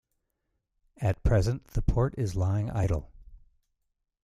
At present, the port is lying idle.